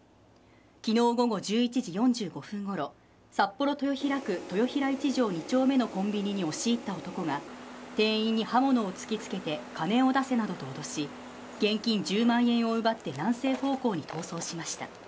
昨日午後１１時４５分ごろ札幌豊平区豊平１条２丁目のコンビニに押し入った男が店員に刃物を突きつけて金を出せなどと脅し現金１０万円を奪って南西方向に逃走しました。